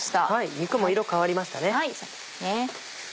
肉も色変わりましたね。